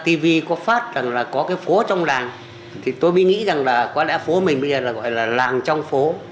tv có phát rằng là có cái phố trong làng thì tôi mới nghĩ rằng là có lẽ phố mình bây giờ là gọi là làng trong phố